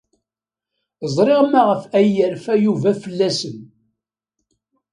Ẓriɣ maɣef ay yerfa Yuba fell-asen.